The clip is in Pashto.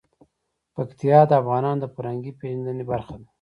پکتیا د افغانانو د فرهنګي پیژندنې برخه ده.